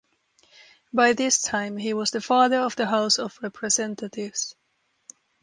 By this time he was the Father of the House of Representatives.